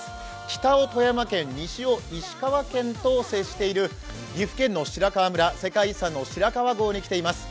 北を富山県、西を石川県と接している岐阜県の白川村、世界遺産の白川郷に来ています。